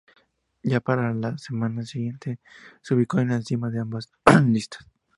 Ya para la semana siguiente se ubicó en la cima de ambas listas.